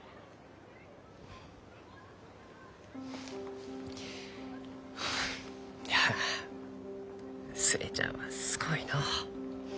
フフいや寿恵ちゃんはすごいのう。